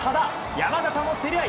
山縣も競り合い。